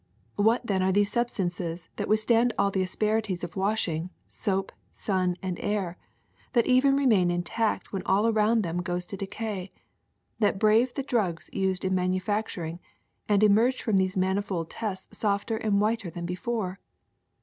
What then are these substances that withstand the asperities of washing, soap, sun, and air, that even remain intact when all around them goes to decay, that brave the drugs used in manufacturing and emerge from these mani fold tests softer and whiter than before?